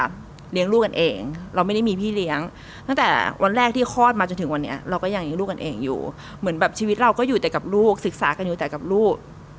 เลี้ยงลูกกันเองเราไม่ได้มีพี่เลี้ยงตั้งแต่วันแรกที่คลอดมาจนถึงวันนี้เราก็ยังเลี้ยงลูกกันเองอยู่เหมือนแบบชีวิตเราก็อยู่แต่กับลูกศึกษากันอยู่แต่กับลูก